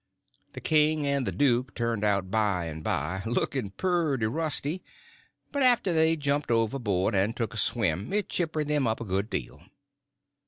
The king and the duke turned out by and by looking pretty rusty; but after they'd jumped overboard and took a swim it chippered them up a good deal.